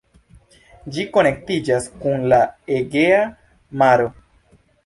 Ĝi konektiĝas kun la Egea maro.